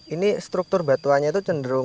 ini struktur batuannya itu cenderung